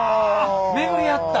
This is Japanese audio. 巡り合った！